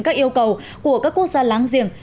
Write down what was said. các yêu cầu của các quốc gia láng giềng